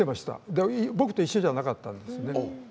でも僕と一緒じゃなかったんですね。